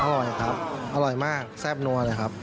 อร่อยครับอร่อยมากแซ่บนัวเลยครับ